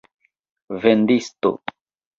vendisto